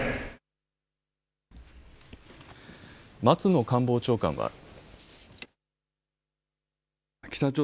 松野官房長官は。